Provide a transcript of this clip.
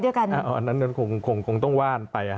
เดี๋ยวจะได้ไม่โดนแย้งก็ไปด้วยกันนะครับอันนั้นคงต้องว่านไป